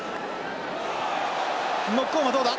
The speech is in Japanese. ノックオンはどうだ？